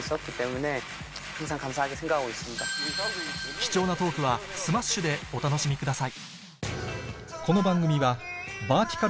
貴重なトークは ｓｍａｓｈ． でお楽しみください